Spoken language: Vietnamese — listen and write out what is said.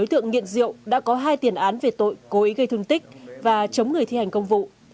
tượng nghiện rượu đã có hai tiền án về tội cố ý gây thương tích và chống người thi hành công vụ